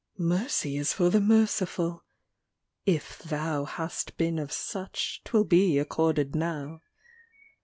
Mercy is for the merciful! if thou Hast been of such, 'twill be accorded now.